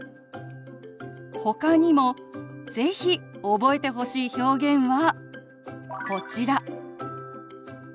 ほかにも是非覚えてほしい表現はこちら。